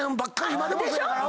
今でもそうやから。